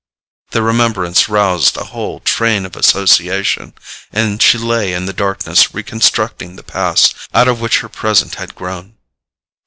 The remembrance roused a whole train of association, and she lay in the darkness reconstructing the past out of which her present had grown.